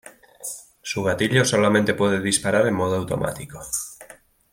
Su gatillo solamente puede disparar en modo automático.